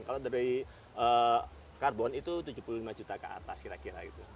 kalau dari karbon itu tujuh puluh lima juta ke atas kira kira gitu